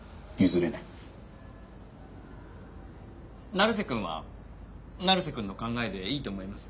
成瀬くんは成瀬くんの考えでいいと思います。